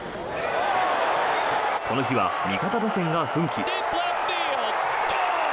この日は味方打線が奮起。